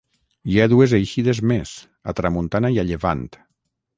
Hi ha dues eixides més: a tramuntana i a llevant.